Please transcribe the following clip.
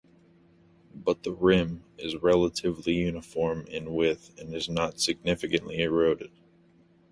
But the rim is relatively uniform in width and is not significantly eroded.